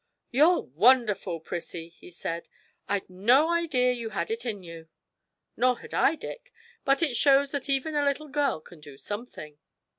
'You're wonderful, Prissie!' he said; 'I'd no idea you had it in you!' 'Nor had I, Dick; but it shows that even a little girl can do something.'